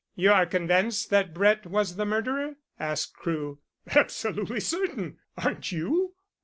"You are convinced that Brett was the murderer?" asked Crewe. "Absolutely certain. Aren't you?"